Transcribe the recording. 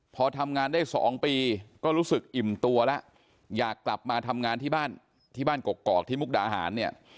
พอทำงานได้๒ปีก็รู้สึกอิ่มตัวแล้วอยากกลับมาทำงานที่บ้านที่บ้านกกอกที่มุกดาหารเนี่ย